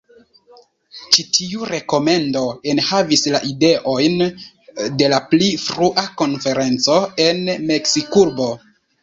Ĉi tiu rekomendo enhavis la ideojn de la pli frua konferenco en Meksikurbo.